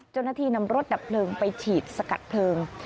เจ้าหน้าที่นำรถดับเพลิงไปฉีดสกัดเพลิง